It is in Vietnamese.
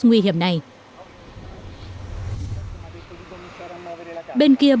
nguy hiểm của các nước châu âu và mỹ